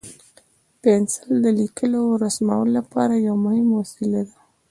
پنسل د لیکلو او رسمولو لپاره یو مهم وسیله ده.